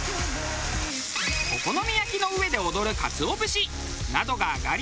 お好み焼きの上で踊るカツオ節などが挙がりました。